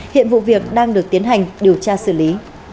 hiện vụ việc đang được tiến hành điều tra xử lý